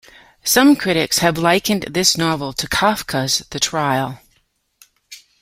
Some critics have likened this novel to Kafka's "The Trial".